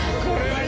これ。